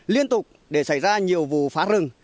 liên tục để xảy ra nhiều vụ phá rừng